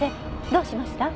どうしましょう？